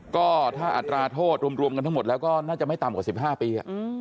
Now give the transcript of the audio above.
ก็ถ้าอัตราโทษรวมกันทั้งหมดแล้วก็น่าจะไม่ต่ำกว่า๑๕ปี